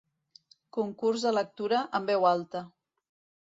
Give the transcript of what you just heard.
Concurs de lectura en veu alta.